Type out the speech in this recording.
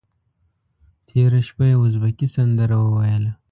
تېره شپه یې ازبکي سندره وویله.